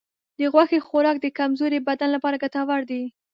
د غوښې خوراک د کمزورې بدن لپاره ګټور دی.